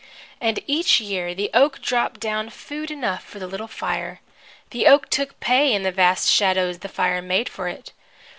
And each year the oak dropped down food enough for the little fire. The oak took pay in the vast shadows the fire made for it.